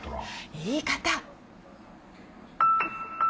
言い方！